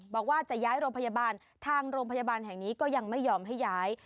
บอกว่าจะย้ายโรงพยาบาลทางโรงพยาบาลแห่งนี้ก็ยังไม่ยอมให้ย้าย